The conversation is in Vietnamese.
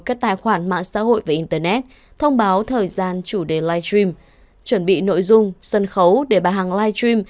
các tài khoản mạng xã hội và internet thông báo thời gian chủ đề live stream chuẩn bị nội dung sân khấu để bà hàng live stream